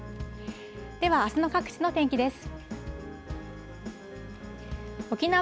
では、あすの各地の天気です。